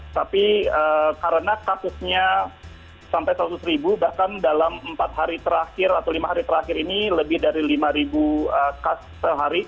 tapi karena kasusnya sampai seratus ribu bahkan dalam empat hari terakhir atau lima hari terakhir ini lebih dari lima kasus sehari